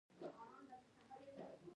پۀ هغه ليکلے يو زوړ ليک درسره شريکووم -